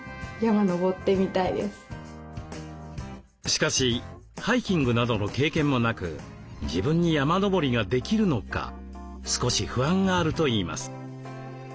しかしハイキングなどの経験もなく自分に山登りができるのか少し不安があるといいます。